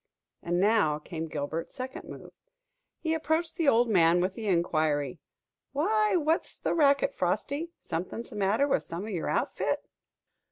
And now came Gilbert's second move. He approached the old man with the inquiry, "Why, what's the racket, Frosty? Something the matter with some of your outfit?"